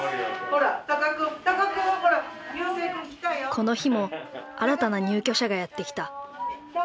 この日も新たな入居者がやって来た。